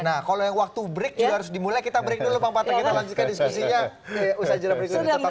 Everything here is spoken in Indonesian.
nah kalau yang waktu break juga harus dimulai kita break dulu bang batra kita lanjutkan diskusinya